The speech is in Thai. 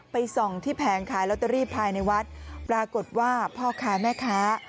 ส่องที่แผงขายลอตเตอรี่ภายในวัดปรากฏว่าพ่อค้าแม่ค้า